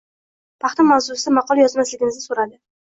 Paxta mavzusida maqola yozmasligimizni soʻradi.